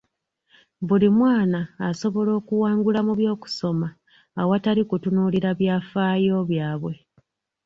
Buli mwana asobola okuwangula mu by'okusoma awatali kutunuulira byafaayo byabwe.